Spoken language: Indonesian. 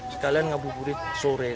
sekalian ngabuburi sore